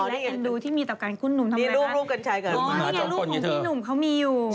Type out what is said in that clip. และเอ็นดูที่มีต่อการคุณหนุ่มทำไม